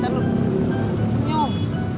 ntar lo senyum